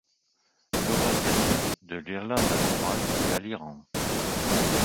Eurasiatique, de l'Irlande à l'Oural et à l'Iran.